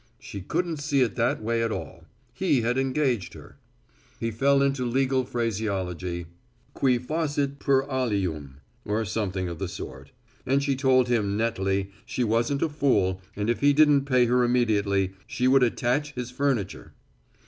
She couldn't see it that way at all. He had engaged her. He fell into legal phraseology. "Qui facit per alium," or something of the sort; and she told him nettly she wasn't a fool and that if he didn't pay her immediately she would attach his furniture.